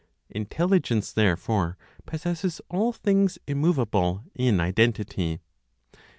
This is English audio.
Intelligence, therefore, possesses all things immovable in identity.